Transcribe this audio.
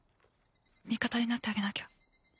味方になってあげなきゃ